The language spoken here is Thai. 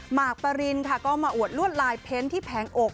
หมากปรินค่ะก็มาอวดลวดลายเพ้นที่แผงอก